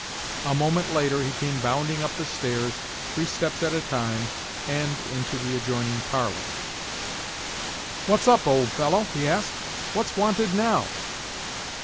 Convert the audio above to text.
A moment later he came bounding up the stairs, three steps at a time, and into the adjoining parlour. "What's up, old fellow?" he asked. "What's wanted now?"